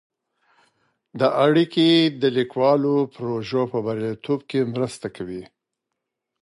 دا اړیکې د کلیوالو پروژو په بریالیتوب کې مرسته کوي.